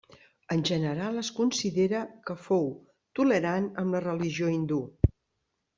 En general es considera que fou tolerant amb la religió hindú.